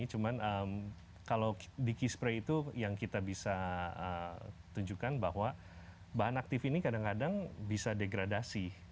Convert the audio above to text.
cuman kalau di key spray itu yang kita bisa tunjukkan bahwa bahan aktif ini kadang kadang bisa degradasi